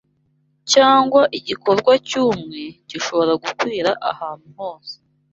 cyangwa igikorwa cy’umwe gishobora gukwira ahantu hose.